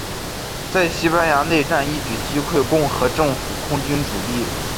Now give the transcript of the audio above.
在西班牙内战一举击溃共和政府空军主力。